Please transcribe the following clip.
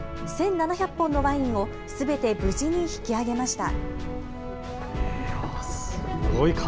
１７００本のワインをすべて無事に引き上げました。